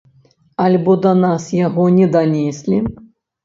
Альбо да нас яго не данеслі?